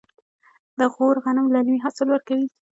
د غور غنم للمي حاصل ورکوي.